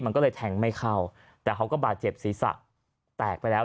มันก็เลยแทงไม่เข้าแต่เขาก็บาดเจ็บศีรษะแตกไปแล้ว